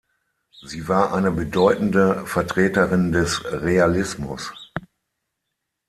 Sie war eine bedeutende Vertreterin des Realismus.